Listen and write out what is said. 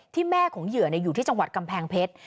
แม่ของเหยื่ออยู่ที่จังหวัดกำแพงเพชร